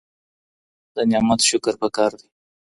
د نعمت شکر په کار دی.